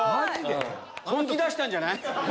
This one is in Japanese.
本気出したんじゃない？